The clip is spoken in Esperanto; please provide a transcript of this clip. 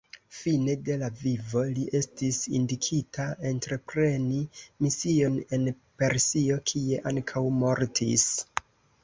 Fine de la vivo li estis indikita entrepreni mision en Persio, kie ankaŭ mortis.